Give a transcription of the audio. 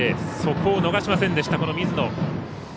そこを逃しませんでした水野。